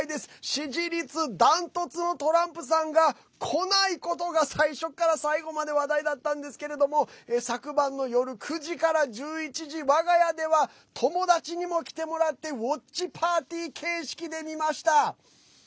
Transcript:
支持率ダントツのトランプさんが来ないことが最初から最後まで話題だったんですけれども昨晩の夜９時から１１時我が家では友達にも来てもらってウォッチパーティー形式で見ました。